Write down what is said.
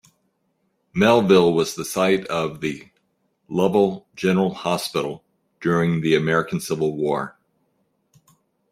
Melville was the site of the Lovell General Hospital during the American Civil War.